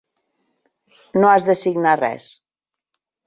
No has de signar res.